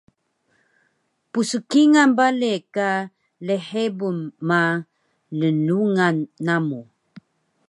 Pskingal bale ka lhebun ma lnglungan namu